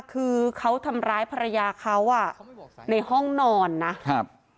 คือเขาทำร้ายภรรยาเขาอ่ะในห้องนอนนะครับ